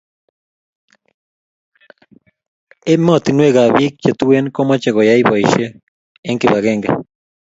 ematinwe ab pik che tuen komache koyai poishek en kibagenge